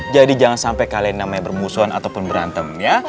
jadi jangan sampai kalian namanya bermusuhan ataupun berantem ya